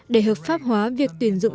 để hợp pháp hóa việc tuyển dụng